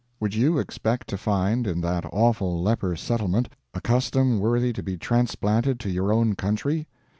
Would you expect to find in that awful Leper Settlement a custom worthy to be transplanted to your own country?